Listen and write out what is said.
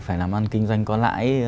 phải làm ăn kinh doanh có lãi